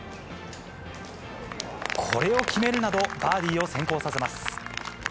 これを決めるなど、バーディーを先行させます。